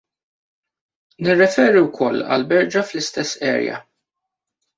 Nirriferi wkoll għall-berġa fl-istess area.